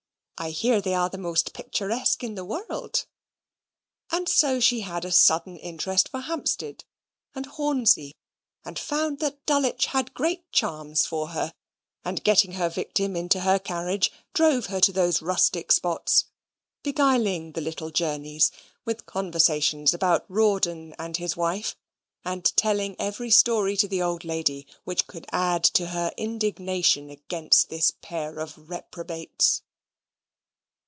"I hear they are the most picturesque in the world"; and so she had a sudden interest for Hampstead, and Hornsey, and found that Dulwich had great charms for her, and getting her victim into her carriage, drove her to those rustic spots, beguiling the little journeys with conversations about Rawdon and his wife, and telling every story to the old lady which could add to her indignation against this pair of reprobates.